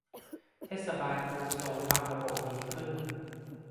เทศบาลกรุงโซลทำระบบนี้ขึ้น